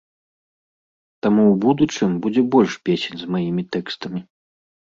Таму ў будучым будзе больш песень з маімі тэкстамі.